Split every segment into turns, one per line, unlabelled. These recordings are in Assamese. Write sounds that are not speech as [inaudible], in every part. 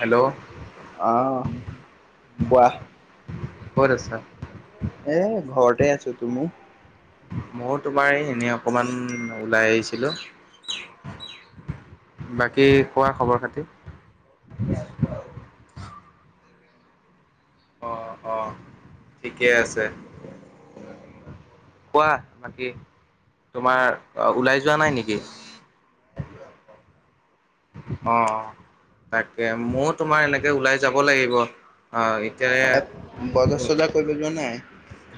হেল্ল'
আহ, কোৱা
ক'ত আছা
এ ঘৰতে আছো তুমি
মই তোমাৰ এই এনেই অকণমান ওলাই আহিছিলো বাকী খোৱা খবৰ খাতি অ', অ', ঠিকে আছে কোৱা বাকী তোমাৰ ওলাই যোৱা নাই নেকি
[unintelligible]
অ', তাকে ময় তোমাৰ এনেকে ওলাই যাব লাগিব অ', এতিয়া
এ বজাৰ চজাৰ কৰিব যোৱা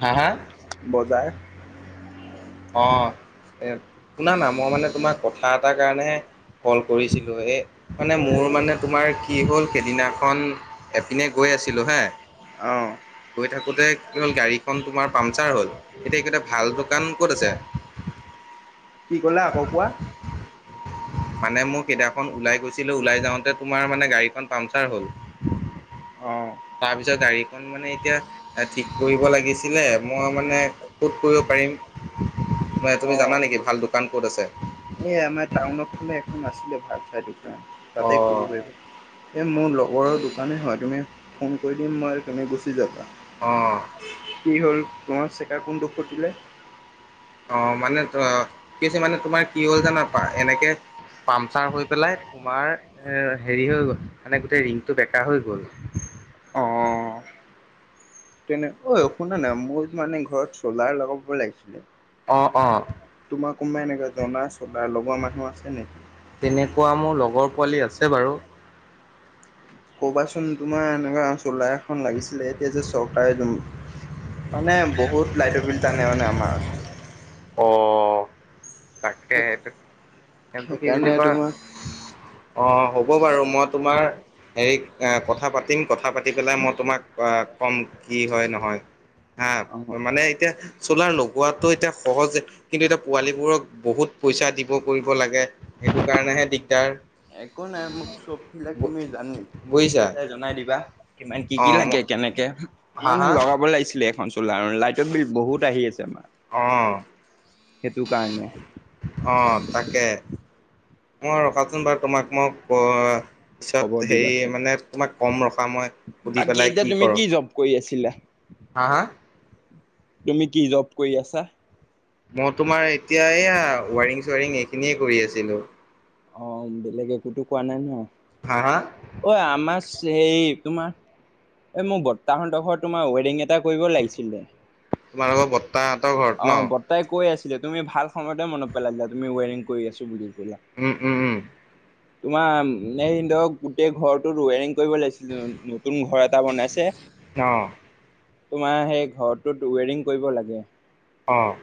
হা হা?
বজাৰ
অ', এ শুনা না মই মানে তোমাৰ কথা এটাৰ কাৰণে কল কৰিছিলো এই মানে মোৰ মানে তোমাৰ কি হ'ল সেইদিনাখন এপিনে গ কৈ আছিলোঁ হে
অ',
গৈ থাকোতে কি হ'ল গাড়ীখন তোমাৰ পামচাৰ হল এতিয়া একোটা ভাল দোকান ক'ত আছে?
কি ক'লে আকৌ কোৱা
মানে মোৰ কেইদিনাখন ওলাই গৈছিলো ওলাই যাওঁতে তোমাৰ মানে গাড়ীখন পামচাৰ হ'ল
অ',
তাৰ পিছত গাড়ীখন মানে এতিয়া ঠিক কৰিব লাগিছিলে মই মানে ক'ত কৰিব পাৰ তুি
অ',
জানা নেি ভাল দোকান ক'ত আছে
উনৰ ফে এখন আ তাতে কৰিব
অ',
পাৰিব এই মোৰ লগৰৰ দোকানে হয় তুমি ফোন কৰি দিম মই তুমি গুচি যাবা
অ',
কি হ'ল তোমাক চেকাৰ কোন দুখ খটিলে
অ', মানে অ কি হৈছে মানে তোমাৰ কি হ'ল জানাপা এনেকে পামচাৰ হৈ পেলাই তোমাৰ এ হেৰি হৈ গল মানে গোটেই ৰিংটো বেকা হৈ গ'ল
আহ তেনে অ', ঐ শুনা নাই মোৰ মানে ঘৰত চলাৰ লগাব লাগিছিলে
অ', অ',
তোমাৰ কোনবাই এনেকুৱা জনা চলা লগৰ মানুহ আছে নেকি
তেনেকুৱা মোৰ লগৰ পোৱালি আছে বাৰু
কবাচোন তোমাৰ এনেকুৱা চোলা এখন লাগিছিলে এতিয়া যে চৰকাৰ মানে বহুত লাইট অ', বিল তানে মানে আমাৰ
অ', তাকে, তাক সেইটো কি বুলি
সেইকাৰণে
কয়
তোমাৰ
অ', হ'ব বাৰু মই তোমাৰ হেৰি কথা পাতিম কথা পাতি পেলাই মই তোমাক ক'ম কি হয় নহয় হা
অ
মানে এতিয়া চোলাৰ লগোৱাতটো এতিয়া সহজে কিন্তু এতিয়া পোৱালীবোৰক বহুত পইচা দিব কৰিব লাগে সেইটো কাৰণেহে দিগদাৰ
একো নাই মোক চব ফিলাক তুমি জানি
বুজিছা
সুদীপিলে জনাই দিবা কিমান কি
অ
কি
ম
লাগে কেনেকে
হা
মানে
হা
লগাব লাগিছিলে এখন চোলাৰ লাইটৰ বিল বহুত আহি আছে আমাৰ
অ',
সেইটো কাৰণে
অ তাকে মই ৰখাচোন বাৰু তোমাক মই
খবৰ
পিছত হেৰি
দিবাচোন
মানে তোমাক কম ৰখ ৰবা ময় সুধি
বাকী
পেলাই
এতিয়া
কি
তুমি
কৰো
জব কৰি আছিলা তুমি কি জব কৰি আছা?
মই তোমাৰ এতিয়া এইয়া ৱাৰিং- চোৱাৰিং এইখিনিয়ে কৰি আছিলোঁ
অ' বেলেগ একোতো কোৱা নাই ন
হা হা
অ' আমা ছ সেই তোমাৰ এই মোক বত্তাহতৰ ঘৰত তোমাৰ ৱেৰিং এটা কৰিব লাগিছিলে
তোমালোকৰ বত্তাহতৰ ঘৰত ন?
ছিল তুমি ভাল সময়তে মনত পেলালিলা তুমি ৱেৰিং কৰি আছো বুলি ক'লা।
উম উম উম
তোমাৰ এ ধৰক গোটেই ঘৰটোত ৱেৰিং কৰিব লাগিছিল নতুন ঘৰ এটা বনাইছে
অ
তোমাৰ সেই ঘৰটোত ৱেৰিং কৰিব লাগে
অ',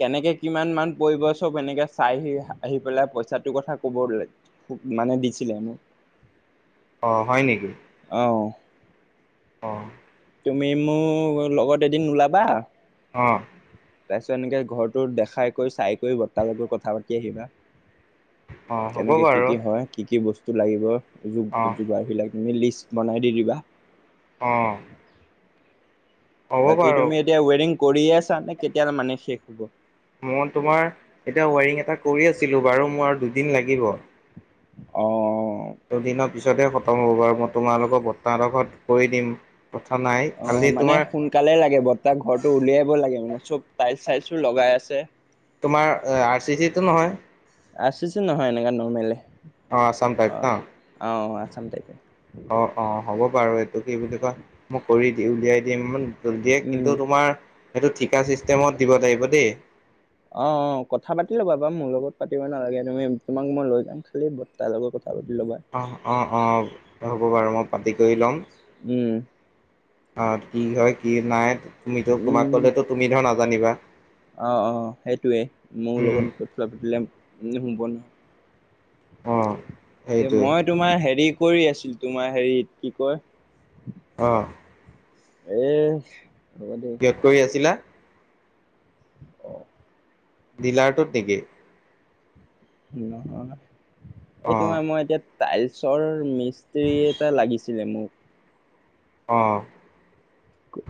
কেনেকে কিমান মান পৰিব চব এনেকে চাইহি আহি পেলাই পইচাটোৰ কথা ক'বলে মানে দিছিলে মোক
অ', হয় নেকি?
অ
অ',
তুমি মো লগত এদিন ওলাবা
অ',
তাৰ পিছত এনেকে ঘৰটো দেখা কৰি চাই কৰি বট্টা লগত কথা পাতি আহিবা
অ হ'ব
কেনেকে কি
বাৰু
কি হয় কি কি বস্তু লাগিব য
অ
যোগাৰবিলাক তুমি লিষ্ট বনাই দি দিবা
অ', হ'ব
বাকী
বাৰু
তুমি এতিয়া ৱেৰিং কৰিয়ে আছা নে কেতিয়া মানে শেষ হ'ব
মই তোমাৰ এতিয়া ৱাইৰিং এটা কৰি আছিলো বাৰু মোৰ আৰু দুদিন লাগিব
অ', অ'
দুদিনৰ পিছতহে খতম হ'ব বাৰু মই তোমালোকক বট্টাহতৰ ঘৰত কৰি দিম কথা নাই খালি
অ' মানে
তোমাৰ
সোনকালে লাগে বত্তাক ঘৰটো উলিয়াব লাগে মানে চব তাইলছ চাইলছ ও লগাই আছে
তোমাৰ আৰ চি চিটো নহয়
আৰ চি চি নহয় এনেকা নৰ্মেলেই
অ', আছাম টাইপ ন
আচাম টাইপএই
অ', অ' হ'ব বাৰু এইটো কি বুলি কয় মই কৰি দি উলিয়াই দিম দিয়ে
উম।
কিন্তু তোমাৰ সেইটো ঠিকা চিষ্টেমত দিব লাগিব দেই
অ', অ' কথা পাতি ল'বা বাা মোৰ লগত পাতিব নালাগে তুমি তোমাক মই লৈ যাম খালি বত্তাৰ লগত কথা পাতি ল'বা।
অ', অ', অ', হ'ব বাৰু মই পাতি কৰি ল'ম
উম
আৰু কি হয় কি নাই তুমিতো তোমাক
উম
কলেতো তুমি ধৰ নাজানিবা
অ', অ', সেইটোৱেই মোৰ
উম,
লগত ক কোৱা পাতিলে হোব
অ',
নয় এতিয়া
সেইটোৱে
মই তোমাৰ হেৰি কৰি আছিলো তোমাৰ হেৰিত কি কয়
অ',
এই
কিয়ত কৰি আছিলা
অ
দিলাৰটোত নেকি
নহয় এইটো
অ',
আমাৰ মই এতিয়া টাইলছৰ মি ইস্ত্ৰী এটা লাগিছিলে মোক
অ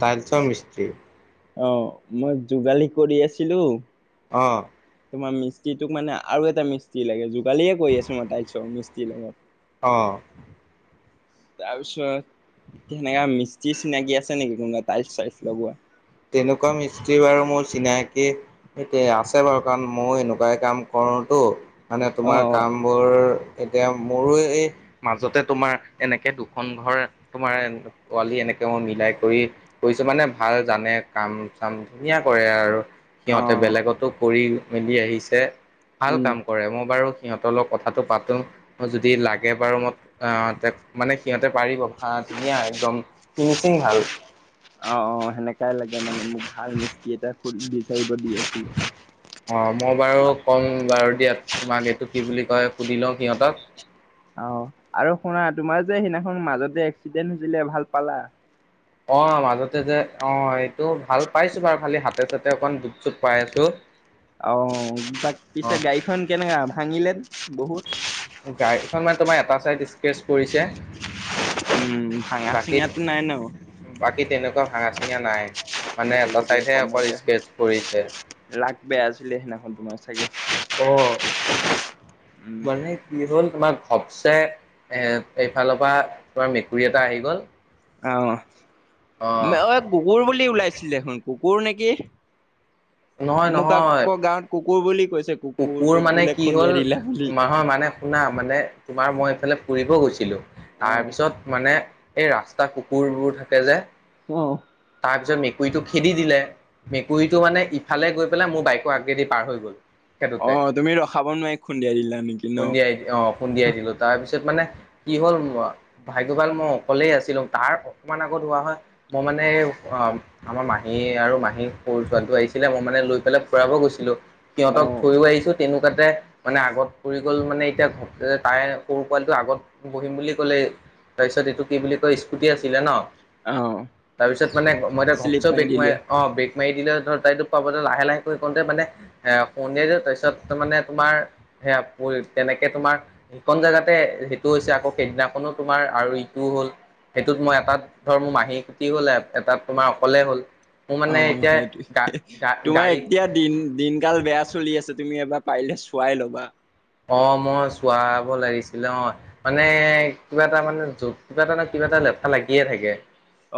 টাইলচৰ মিস্ত্ৰী
অ মই যোগালী কৰি আছিলো
অ
তোমাৰ মিস্ত্ৰীটোক মানে আৰু এটা মি্ত্ৰী লাগে যোগালীয়েে কৰি আছো মই তাইক চব মিস্তিৰ লগত
অ
তাৰপিছত সেনেকা মিস্ত্ৰী চিনাকি আছে নেকি কোনোবা টাইল চাইচ লগোৱা
তেনেকুৱা মিস্ত্ৰী বাৰু মোৰ চিনাকি আছে বাৰু কাৰণ মই এনেকুৱাই কাম কৰ কৰোটো মানে
অ
তোমাৰ
অ
কামবোৰ এতিয়া মোৰো এই মাজতে তোমাৰ এনেকে দুখন ঘৰ তোমাৰ পোৱালি এনেকে মিলাই কৰি কৰিছো মানে ভাল জানে কাম চাম ধুনীয়া কৰে আৰু
অ
সিহঁতে বেলেগতো কৰি মিলি আহিছে ভাল
উম
কাম কৰে মই বাৰু সিহঁতৰ লগ কথাটো পাতোঁ যদি লাগে বাৰু মইক মানে সিহঁতে পাৰিব ভা ধুনীয়া একদম ফিনিচিং ভাল
চাই লাগে মানে মোক ভাল মিস্তি এটা খ
অ মই বাৰু ক'ম বাৰু দিয়া তোমাক এইটো কি বুলি তই সুধি লওঁ সিহঁতক
আহ আৰু শুনা তোমাৰ যে সেইদিনাখন মাজতে এক্সিডেণ্ট হৈছিলে ভাল পালা
অ মাজতে যে অ এইটো ভাল পাইছো বাৰু খালি হাতে চাতে অকণ দুপ চুপ পাই আছো
অ তাক পিছে গাড়ীখন কেনেকা ভাঙিলে বহুত?
গাড়ীখন মানে তোমাৰ এটা চাইড স্কেটচ পৰিছে
উম ভাঙা চিঙাটো নাই ন।
বাকীত বাকী তেনেকুৱা ভাঙা চিঙা নাই মানে
ভালে
এটা
দিয়া
চাইডহে অকল
কমতে হ'ল
স্কেচ পৰিছে
লাক বেয়া আছিলে সেইদিনাখন তোমাৰ চাগে
অ
উম।
মানে কি হ'ল তোমাৰ সবচে এইফালৰ পৰা তোমাৰ মেকুৰী এটা আহি গ'ল
আহ
অঁ
অ কুকুৰ বুলি ওলাইছিলে দেখোন কুকুৰ নেকি
নহয়
মোক
নহয়
আকৌ গাঁৱত কুকুৰ বুলি কৈছে
কুকুৰ
কুকুৰটোক
মানে
বোলে
কি হ'ল
খুন্দিয়াই দিলা বুলি।
মাহৰ মানে শুনা মানে তোমাৰ মই এইফালে ফুৰিব গৈছিলোঁ
অ।
তাৰপিছত মানে এই ৰাস্তা কুকুৰবোৰ থাকে যে
অ
তাৰ পিছত মেকুৰী মেকুুৰীটো খেদি দিলে মেকুৰীটো মানে ইফালে গৈ পেলাই মোৰ বাইকৰ আগ্ৰেদি পাৰ হৈ গ'ল
অ
সেটোতে
তুমি ৰখাব নোৱাৰি খুন্দিয়াই দিলা নেকি ন?
খুন্দিয়াই অ খুন্দিয়াই দিলো তাৰপিছত মানে কি হ'ল ভাগ্য ভাল মই অকলেই আছিলো তাৰ অকমান আগত হোৱা হয় মই মানে মানে অ আমাৰ মাহী আৰু মাহী সৰু যোৱাটো আহিছিলে মই মানে লৈ পেলাই ফুৰাব গৈছিলো
অ।
সিহঁতক থৈয়োও আহিছো তেনেকা তাতে মানে আগত ফুৰি গ'ল মানে এতিয়া ঘ তাই সৰু পোৱালিটো আগত বহিম বুলি ক'লে তাৰপিছত এইটো কি বুলি কয় স্কুটি আছিলে ন
অ
তাৰপিছত মানে মই এতিয়া ভচ
শ্লিপ মাৰি
বেক মই
দিলে
অ বে মাৰি দিলে ধৰ তাইতোক পাবতে লাহে লাহে কৰি কওঁতে মানে তাৰপিছত তাৰ মানে তোমাৰ সেয়া তেনেকে তোমাৰ সিকন জেগাতে সেইটো আকৌ সেইদিনাখনো তোমাৰ আৰু ইটোও হ'ল সেইটোত মই এটাত ধৰ মোৰ মাহী খুটি হ'ল এটাত তোমাৰ অকলে হ'ল মোৰ
অ
মানে এতিয়া
সেইটোে
গা গা
তোমাৰ
গাড়ী
এতিয়া দিন দিনকাল বেয়া চলি আছে তুমি এবাৰ পাৰিলে চোৱাই ল'বা
অ মই চোৱাব লাগিছিলে অ মানে কিবা এটা মানে যত কিবা এটা ন কিবা এটা লেঠা লাগিয়ে থাকে।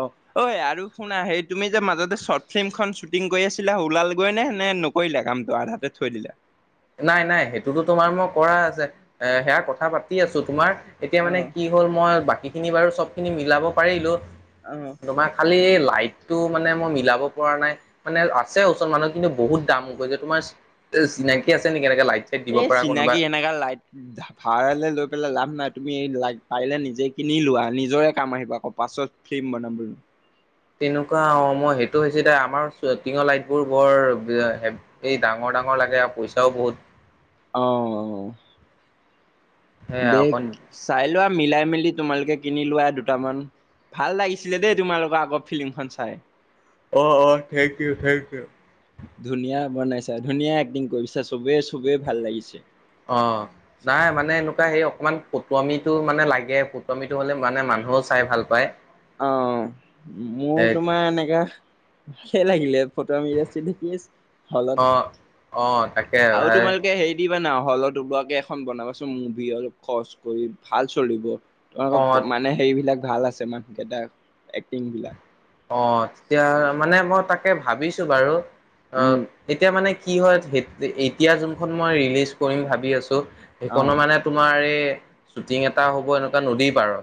অ' ঐ আৰু শুনা, সেই তুমি যে মাজতে শ্বৰ্ট ফিল্মখন শ্বুটিং কৰি আছিলা, ওলাল গৈ নে? নে নকৰিলা কামটো আধাতে থৈ দিলা?
নাই - নাই, সেইটোতো তোমাৰ মই কৰাই আছে। এ সেয়া কথা পাতি আছোঁ, তোমাৰ? এতিয়া
অ
মানে কি হ'ল মই বাকীখিনি বাৰু চব খিনি মিলাব পাৰিলোঁ
অ।
তোমাৰ খালি টটো মানে মই মিলাব পৰা নাই, মানে আছে ওচৰত মানুহ কিন্তু বহুত দাম গৈ যে তোমাৰ চিনাকী আছে নেকি এনেকে লাইট চাইট দিব
এই
পৰা কোনোবা
চিনাকি এনেকা লাইট ভাড়ালে লৈ পেলাই লাভ নাই। তুমি লাইট পাৰিলে নিজে কিনি লোৱা, নিজৰে কাম আহিব আকৌ, পাছত ফিল্ম বনাব
তেনেকুৱা অ' মই সেইটো হৈছে দে আমাৰ টিঙৰ লাইট বোৰ বৰ এই ডাঙৰ ডাঙৰ ডাঙৰ লাগে আৰু পইচাও বহুত।
অ' অ'।
সেয়া
দে,
অকণ
চাই লোৱা মিলাই মেলি তোমালোকে কিনি লোৱা দুটামান। ভাল লাগিছিলে দেই তোমালোকৰ আগৰ ফিল্মখন চাই।
অ' অ' থেংক ইউ থেংক ইউ।
ধুনীয়া বনাইছা, ধুনীয়া এক্টিং কৰিছা, চবে, চবেই ভাল লাগিছে।
অ' নাই মানে এনেকুৱা হেই অক অকমান পুটমিটো মানে লাগে, পুটমিটো হ'লে মানে মানুহও চাই ভাল পায়
অ', মোৰ
সেই
তোমাৰ এনেকা ভালেই লাগিলে। ফটোৱামি আছিল নে কি আছিল হলত,
অ', অ', তাকে
আৰু
ভাই
তোমালোকে হেৰি দিবা না হলত ওলোৱাকে এখন বনাবচোন মুভি অলপ খৰচ কৰি, ভাল চলিব।
অ',
তোমালোকৰ মানে হেৰিবিলাক ভাল আছে, মানুহকেইটা এক্টিং বিলাক।
অ' তেতিয়া মানে মই তাকে ভাবিছোঁ বাৰু অ'
উম,
তেতিয়া মানে কি হয় এতিয়া যোনখন মই ৰিলিজ কৰিম ভাবি আছোঁ সেইখনৰ
অ',
মানে তোমাৰ এই শ্বুটিং এটা হ'ব এনেকুৱা নদী পাৰত,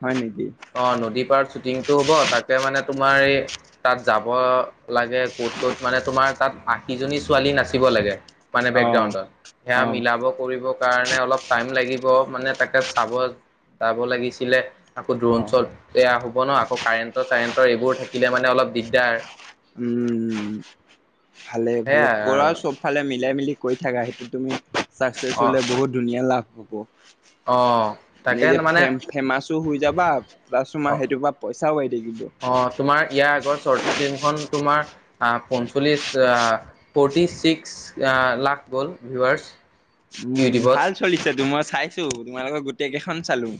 হয় নেকি
অ' নদী পাৰত শ্বুটিংটো হ'ব তাক মানে তোমাৰ এই তাত যাব লাগে ক'ত ক'ত মানে তোমাৰ তাত আশীজনী ছোৱালী নাচিব লাগে মানে
অ',
বেকগ্ৰাউণ্ডত সেয়া
অ',
মিলাব কৰিব কাৰণে অলপ টাইম লাগিব মানে তাকে চাব যাব লাগিছিলে। আকৌ দ্ৰোণ
অ',
শ্বট বেয়া হ'ব ন আকৌ কাৰেণ্টৰ চাৰেণ্টৰ এইবোৰ থাকিলে মানে অলপ দিগদাৰ
উম ভালে ভালে
সেয়াই
কৰা
আৰু
চবফালে মিলাই মিলি কৈ থাকা সেইটো তুমি চাকচেচ
অ
হলে বহুত ধুনীয়া লাভ হ'ব।
অ'। তাকে
নিজে ফ
মানে
ফেমাচো হৈ যাবা, প্লাছ
অ
তোমাৰ সেইটোৰ পৰা পইচাও হৈ থাকিব।
তোমাৰ লোকৰ শ্বৰ্ট ফিল্মখন তোমাৰ আ পঞ্চল্লিছ আ ফৰ্টিচিক্চ আ লাখ হ'ল ভিউৱাৰ্ছ।
উম
ইউটিউবত।
ভাল চলিছে তো মই চাইছোঁ, তোমালোকৰ গোটেইকেইখন চালোঁ।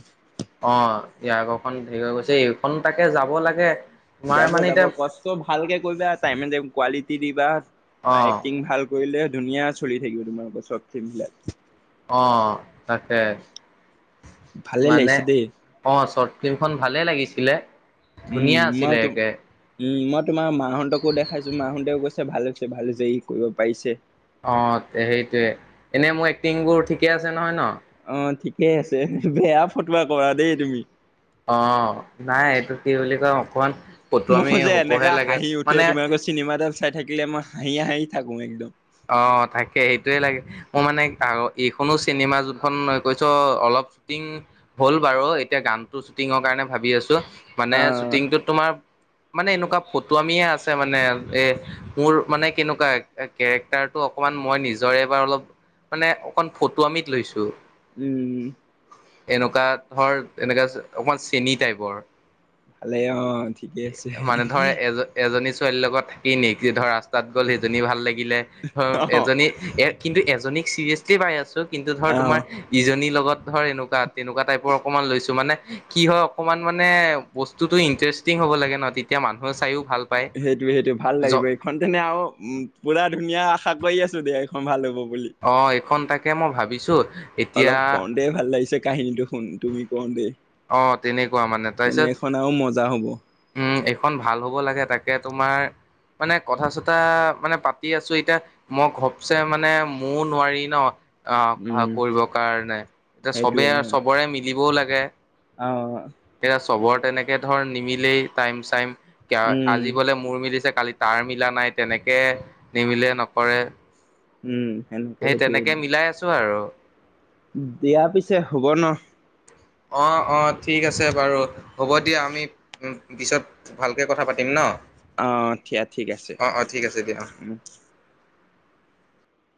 অ' ইয়াৰ আগৰখন হেৰি গৈছে এইখন তাকে যাব লাগে। তোমাৰ
যাব
মানে
যাব
এতিয়া
কষ্ট ভালকে কৰিবা টাইমে এনে কোৱালিটি দিবা।
অ',
এক্টিং ভাল কৰিলে ধুনীয়া চলি থাকিব তোমাৰোকৰ চৰ্ট ফিল্মবিলাক।
অ' তাকে
ভালে
মানে
লাগিছে দেই।
অ' চৰ্ট ফিল্মখন ভালেই লাগিছিলে
উম
ধুনীয়া
ম
আছিলে একে।
উম ম তোমাৰ মাহঁতকো দেখাইছোঁ, মাহঁতেও কৈছে ভাল হৈছে ভাল হৈছে ই কৰিব পাৰিছে।
অ' সেইটয়ে এনে মোৰ এক্টিংবোৰ ঠিকে আছে নহয় ন?
অ' ঠিকে আছে বেয়া ফটোৱা কৰা দেই তুমি।
অ' নাই এইটো কি বুলি কয় অকমান ফটুৱামি
মই যে
হ'বহে
এনেকা
লাগে
হাঁহি উঠে
মানে
তোমালোকৰ চিনেমাডাল চাই থাকিলে মই হাঁহি হাঁহি থাকো একদম।
অ', থাকে সেইটোৱে লাগে। মোৰ মানে আৰু এইখনো চিনেমা জোনখন কৈছ, অলপ শ্বুটিং হ'ল বাৰু এতিয়া গানটো শ্বুটিঙৰ কাৰণে ভাবি আছো মানে
আহ
শ্বুটিংটোত তোমাৰ মানে এনেকুৱা ফটুৱামীয়ে আছে মানে এ মোৰ মানে কেনেকুৱা কেৰেক্টাৰটো অকমান মই নিজৰে এবাৰ অলপ, মানে অকন ফটোৱামিত লৈছো।
উম
এনেকুৱা ধৰ, এনেকুৱা অকমান চেনি টাইপৰ।
ভালে অ ঠিকে আছে
মানে ধৰ, এজ, এজনী ছোৱালীৰ লগত থাকি [unintelligible] ধৰ ৰাস্তাত গ'ল, সেইজনী ভাল লাগি গিলে, ধৰ
অ
এজনী কিন্তু এজনীক চিৰিয়াচলি পাই আছো, কিন্তু ধৰ
অ
তোমাৰ ইজনী লগত ধৰ এনেকুৱা, তেনেকুৱা টাইপৰ অকনমান লৈছো মানে কি হয় অকমান মানে বস্তুটো ইন্টাৰেষ্টিং হ'ব লাগে ন, তেতিয়া মানুহে চাইও ভাল পায়
সেইটো, সেইটো ভাল
জ
লাগেগই, এইখন তেনে আৰু উ পুৰা ধুনীয়া আশা কৰি আছো দিয়া এইখন ভাল হ'ব বুলি
অ', এইখন তাকে মই ভাবিছোঁ
অলপ কওঁতেই ভাল লাগিছে কাহিনীটো শুন তুমি কওঁতেই
অ', তেনেকুৱা মানে, তাৰপিছত,
আৰু মজা হ'ব
উম এখন ভাল হ'ব লাগে, তাকে তোমাৰ মানে কথা চতা মানে পাতি আছোঁ। এতিয়া মই ভপচ মানে মোৰও নোৱাৰি ন। আহ ভাল
উম
কৰিবৰ কাৰণে, এতিয়া চবে চবৰে মিলিবও লাগে।
আহ
এইয়া চবৰ তেনেকে ধৰ নিমিলেই টাইম চাইম
উম
আজি বোলে মোৰ মিলিছে, কালি তাৰ মিলা নাই, তেনেকে নিমিলে নকৰে
উম সেনেকে
সেই
সেইটোৱে
তেনেকে মিলাই আছোঁ আৰু
দিয়া পিছে হ'ব ন।
অ' অ' ঠিক আছে বাৰু হ'ব দিয়া আমি পিছত ভালকৈ কথা পাতিম ন।
আহ থিয়া ঠিক আছে
অ', অ', ঠিক আছে দিয়া অ'।
উম।